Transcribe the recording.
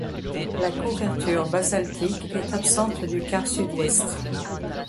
La couverture basaltique est absente du quart sud-ouest.